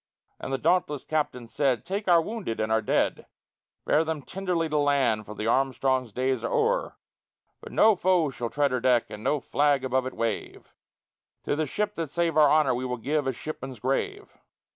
And the dauntless captain said: "Take our wounded and our dead, Bear them tenderly to land, for the Armstrong's days are o'er; But no foe shall tread her deck, and no flag above it wave To the ship that saved our honor we will give a shipman's grave."